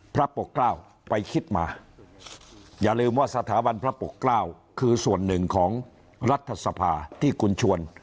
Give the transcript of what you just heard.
พระปกเกล้าไปคิดมาอย่าลืมว่าสถาบันพระปกเกล้าคือส่วนหนึ่งของรัฐสภาที่คุณชวน